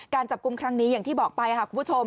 การจับกุมครั้งนี้อย่างที่บอกไปคุณผู้ชม